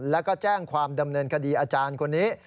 แล้วก็แจ้งความดำเนินคดีอาจารย์คนนี้